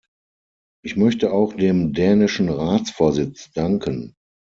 Ich möchte auch dem dänischen Ratsvorsitz danken.